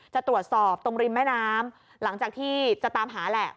จะตรวจสอบตรงริมแม่น้ำหลังจากที่จะตามหาแหละ